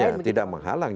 iya tidak menghalang